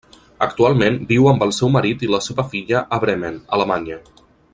Actualment viu amb el seu marit i la seva filla a Bremen, Alemanya.